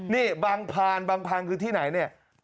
นี่บางพานบางพานคือที่ไหน